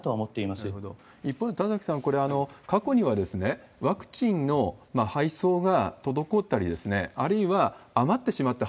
なるほど、一方で田崎さん、これ、過去にはワクチンの配送が滞ったり、あるいは余ってしまった。